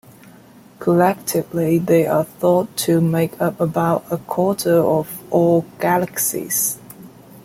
Collectively they are thought to make up about a quarter of all galaxies.